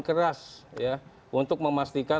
keras untuk memastikan